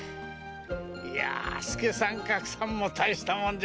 いや助さん格さんもたいしたもんじゃ。